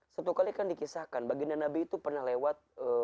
satu kali kan dikisahkan baginda nabi itu pernah lewat